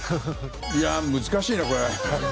いやあ、難しいな、これ。